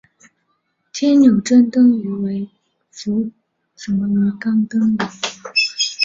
天纽珍灯鱼为辐鳍鱼纲灯笼鱼目灯笼鱼科的其中一种。